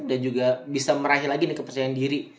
dan juga bisa merahi lagi nih kepercayaan diri